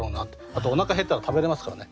あとおなか減ったら食べれますからね。